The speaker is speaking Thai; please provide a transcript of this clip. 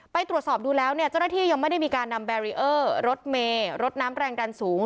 ไปตรวจสอบดูแล้วเนี่ยเจ้าหน้าที่ยังไม่ได้มีการนำแบรีเออร์รถเมย์รถน้ำแรงดันสูง